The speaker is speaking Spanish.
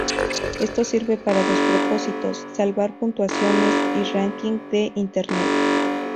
Esto sirve para dos propósitos: Salvar puntuaciones y Ranking de Internet.